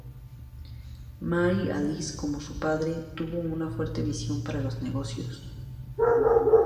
Marie Alice, como su padre, tuvo una fuerte visión para los negocios.